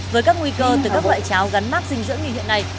với các nguy cơ từ các loại cháo gắn mát dinh dưỡng như hiện nay